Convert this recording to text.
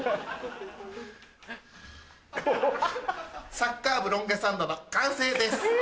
サッカー部ロン毛サンドの完成です。